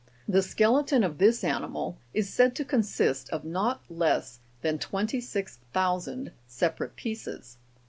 The skeleton of this animal is said to consist of not less than 26,000 separate pieces.